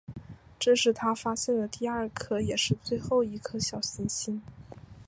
这是他发现的第二颗也是最后一颗小行星。